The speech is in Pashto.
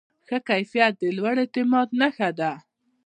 ښه کیفیت د لوړ اعتماد نښه ده.